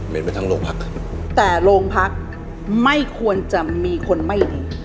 เป็นไปทั้งโรงพักครับแต่โรงพักไม่ควรจะมีคนไม่ดี